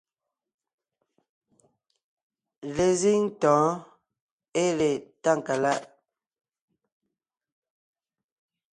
Lezíŋ tɔ̌ɔn ée le Tákaláʼ;